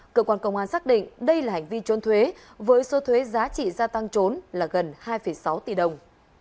cơ quan công an xác định đây là hành vi trốn thuế với số thuế giá trị gia tăng trốn là gần hai sáu tỷ đồng